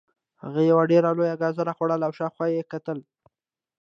هغه یوه ډیره لویه ګازره خوړله او شاوخوا یې کتل